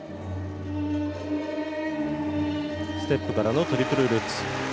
ステップからのトリプルルッツ。